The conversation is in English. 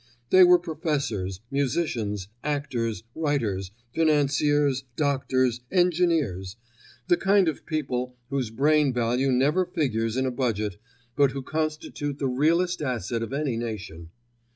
They were professors, musicians, actors, writers, financiers, doctors, engineers—the kind of people whose brain value never figures in a budget, but who constitute the realest asset of any nation.